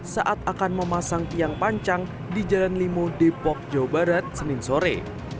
saat akan memasang tiang pancang di jalan limo depok jawa barat senin sore